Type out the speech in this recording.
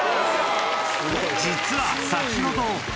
実は先ほど。